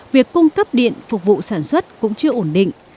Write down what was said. việc cung cấp điện phục vụ sản xuất cũng chưa ổn định